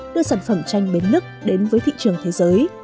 đưa sản phẩm tranh bến lức đến với thị trường thế giới